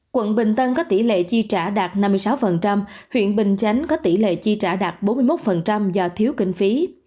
quận bình tân có tỷ lệ chi trả đạt năm mươi sáu huyện bình chánh có tỷ lệ chi trả đạt bốn mươi một do thiếu kinh phí